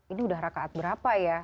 ini udah rakaat berapa ya